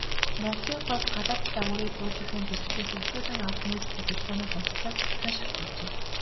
Монголын хувьд, гадаад загварыг буулгахын зэрэгцээ хөгжүүлэн авах нөөц бололцооны хомсдолоос ихээхэн шалтгаалжээ.